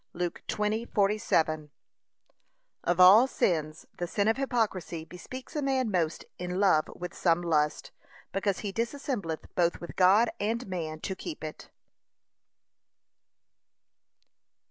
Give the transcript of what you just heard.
(Luke 20:47) Of all sins, the sin of hypocrisy bespeaks a man most in love with some lust, because he dissembleth both with God and man to keep it.